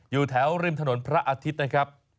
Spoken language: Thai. อยู่แถวริมถนนพระอาทิตย์นะครับ